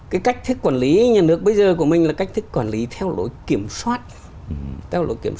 cái cách thức quản lý nhà nước bây giờ của mình là cách thức quản lý theo lỗi kiểm soát